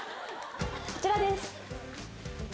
こちらです。